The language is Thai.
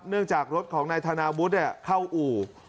จากรถของนายธนาวุฒิเข้าอู่